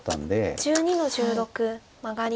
白１２の十六マガリ。